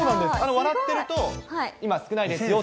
笑ってると、今、少ないですよっていう。